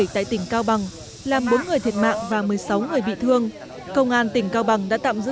tại tỉnh cao bằng làm bốn người thiệt mạng và một mươi sáu người bị thương công an tỉnh cao bằng đã tạm giữ